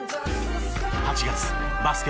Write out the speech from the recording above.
８月バスケ